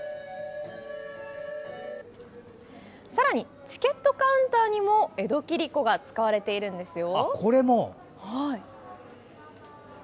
さらにチケットカウンターにも江戸切子が使われているんですよ。